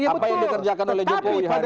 apa yang dikerjakan oleh jokowi hari ini